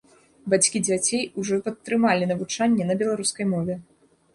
Бацькі дзяцей ужо падтрымалі навучанне на беларускай мове.